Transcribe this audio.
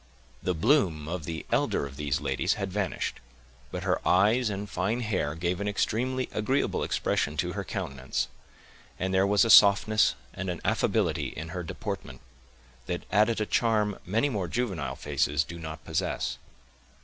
The bloom of the elder of these ladies had vanished, but her eyes and fine hair gave an extremely agreeable expression to her countenance; and there was a softness and an affability in her deportment, that added a charm many more juvenile faces do not possess.